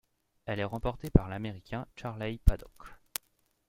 Elle est remportée par l'Américain Charley Paddock.